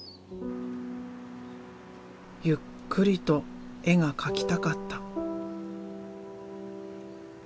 ゆっくりと絵が描きたかった。